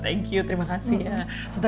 thank you terima kasih ya sudah